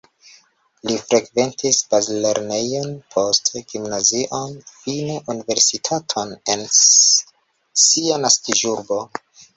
Li frekventis bazlernejon, poste gimnazion, fine universitaton en sia naskiĝurbo.